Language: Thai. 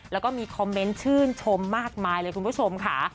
แล้วก็มีคอมเมนต์ชื่นชมมากมายเลยคุณผู้ชมค่ะ